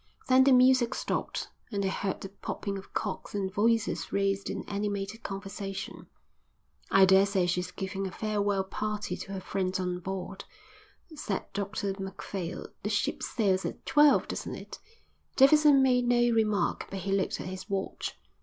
Then the music stopped, and they heard the popping of corks and voices raised in animated conversation. "I daresay she's giving a farewell party to her friends on board," said Dr Macphail. "The ship sails at twelve, doesn't it?" Davidson made no remark, but he looked at his watch.